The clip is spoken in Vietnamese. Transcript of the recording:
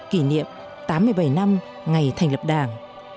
kỷ niệm tám mươi bảy năm ngày thành lập đảng